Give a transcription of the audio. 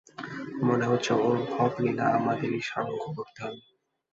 মনে হচ্ছে ওর ভবনিলা আমাদেরই সাঙ্গ করতে হবে।